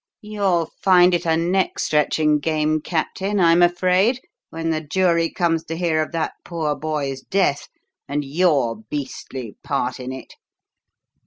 You'll find it a neck stretching game, captain, I'm afraid, when the jury comes to hear of that poor boy's death and your beastly part in it."